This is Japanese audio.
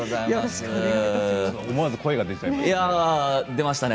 思わず声が出ていましたね。